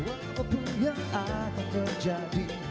walaupun yang akan terjadi